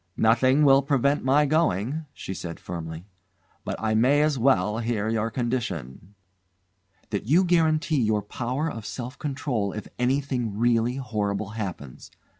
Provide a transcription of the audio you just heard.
"Nothing will prevent my going," she said firmly; "but I may as well hear your condition." "That you guarantee your power of self control if anything really horrible happens.